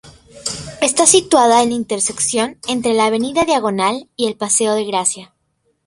Está situada en la intersección entre la avenida Diagonal y el paseo de Gracia.